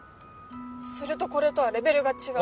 それとこれとはレベルが違う。